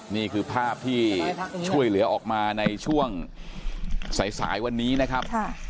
นี่คือภาพที่ช่วยเหลือออกมาในช่วงสายวันนี้นะครับ